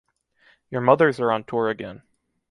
Your mothers are on tour again.